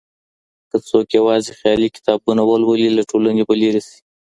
که څوک يوازي خيالي کتابونه ولولي له ټولني به لرې سي.